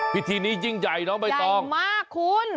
พิธีนี้ยิ่งใหญ่เนอะไม่ต้องใหญ่มากคุณ